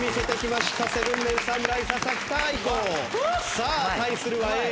さあ対するはＡぇ！